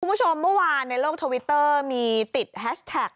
คุณผู้ชมเมื่อวานในโลกทวิตเตอร์มีติดแฮชแท็ก